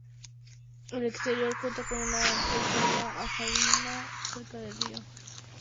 El exterior cuenta con una amplia zona ajardinada cercana al río Nalón.